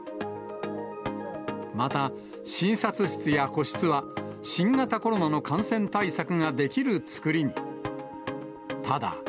また診察室や個室は、新型コロナの感染対策ができる作りに。